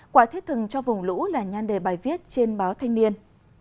quả thiết thực cho vùng lũ là nhan đề bài viết trên báo thanh niên